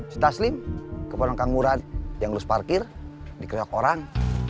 si taslim ke orang kanggurat yang lulus parkir dikeroyok orang